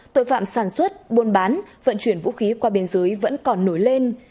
tội phạm sản xuất buôn bán vận chuyển vũ khí qua biên giới vẫn còn nổi lên